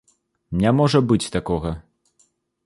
Не можа быць такога.